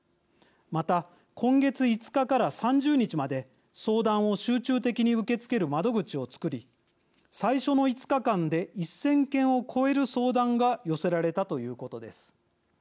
また、今月５日から３０日まで相談を集中的に受け付ける窓口を作り最初の５日間で１０００件を超える相談が寄せられたということです。